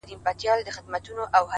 زما پښتون زما ښايسته اولس ته’